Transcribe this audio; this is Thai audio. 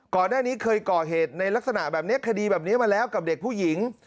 ก่อนหน้านี้เคยก่อเหตุในลักษณะแบบนี้คดีแบบนี้มาแล้วกับเด็กผู้หญิง